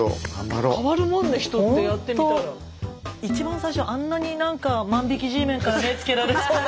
一番最初あんなになんか万引きＧメンから目付けられそうな。